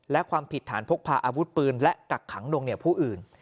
และความผิดฐานพกพาอาวุธปืนและกักขังนวงเหนียวผู้อื่น